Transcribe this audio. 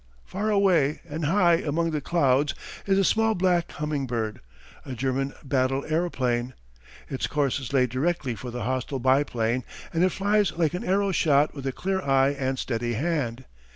Far away and high among the clouds is a small black humming bird a German battle aeroplane. Its course is laid directly for the hostile biplane and it flies like an arrow shot with a clear eye and steady hand.